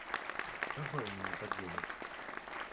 Чаго яны не падзеляць?